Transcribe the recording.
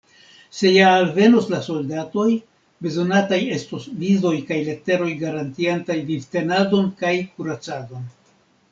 Se ja alvenos la soldatoj, bezonataj estos vizoj kaj leteroj garantiantaj vivtenadon kaj kuracadon.